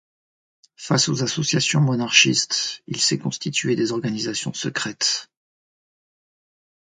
Face aux associations monarchistes, il s'est constitué des organisations secrètes.